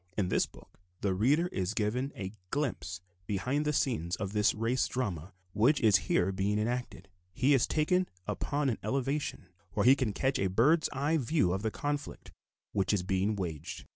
In this book the reader is given a glimpse behind the scenes of this race drama which is being here enacted, he is taken upon an elevation where he can catch a bird's eye view of the conflict which is being waged.